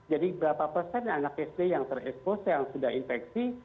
jadi berapa persen anak sd yang terexpose yang sudah infeksi